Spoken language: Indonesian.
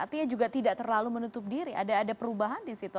artinya juga tidak terlalu menutup diri ada perubahan di situ